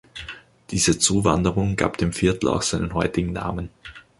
Diese Zuwanderung gab dem Viertel auch seinen heutigen Namen.